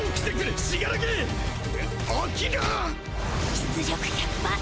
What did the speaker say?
出力１００％